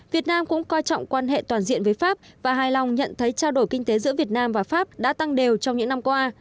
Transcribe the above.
việt nam cũng coi trọng quan hệ toàn diện với pháp và hài lòng nhận thấy trao đổi kinh tế giữa việt nam và pháp đã tăng đều trong những năm qua